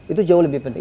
itu jauh lebih penting